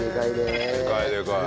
でかいでかい。